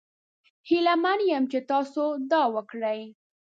هیله من یم چې تاسو دا وکړي.